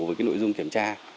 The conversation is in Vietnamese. với cái nội dung kiểm tra giám sát